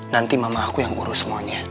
nanti mama aku yang urus semuanya